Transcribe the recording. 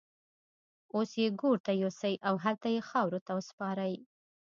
اوس يې ګور ته يوسئ او هلته يې خاورو ته وسپارئ.